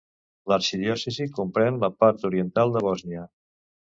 L'arxidiòcesi comprèn la part oriental de Bòsnia.